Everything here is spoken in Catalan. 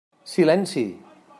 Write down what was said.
Silenci!